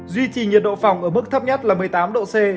duy trì nhiệt độ phòng ở mức thấp nhất là một mươi tám độ c